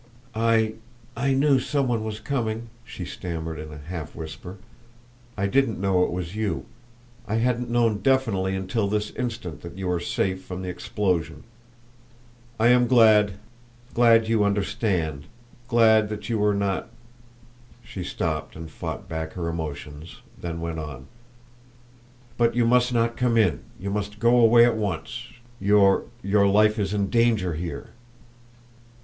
"I I knew some one was coming," she stammered in a half whisper. "I didn't know it was you; I hadn't known definitely until this instant that you were safe from the explosion. I am glad glad, you understand; glad that you were not " She stopped and fought back her emotions, then went on: "But you must not come in; you must go away at once. Your your life is in danger here."